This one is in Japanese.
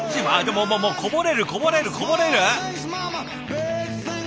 もうもうもうこぼれるこぼれるこぼれる！